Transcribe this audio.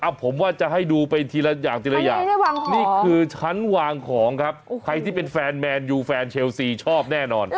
ผมว่าจะให้ดูไปทีละอย่างทีละอย่างนี่คือชั้นวางของครับใครที่เป็นแฟนแมนยูแฟนเชลซีชอบแน่นอน